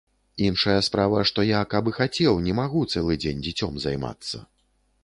Іншая справа, што я каб і хацеў, не магу цэлы дзень дзіцем займацца.